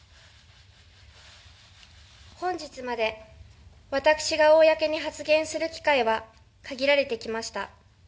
本日まで私が公に発言する機会は限られてきました。